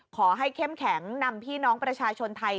เข้มแข็งนำพี่น้องประชาชนไทย